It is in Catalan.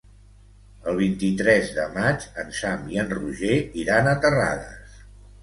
El vint-i-tres de maig en Sam i en Roger iran a Terrades.